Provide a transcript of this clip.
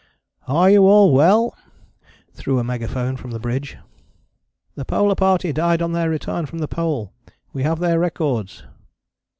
"Are you all well," through a megaphone from the bridge. "The Polar Party died on their return from the Pole: we have their records."